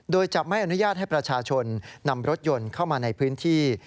โดยจะไม่อนุญาตให้ประชาชนนำรถยนต์เข้ามาในพื้นที่